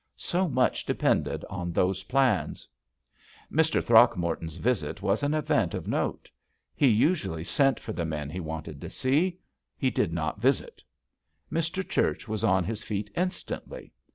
So much depended on those plans. Mr. Throckmorton's visit was an event of note. He usually sent for the men he wanted to see ; he did not visit. Mr. Church was on his feet instantly.